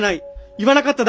言わなかっただけ！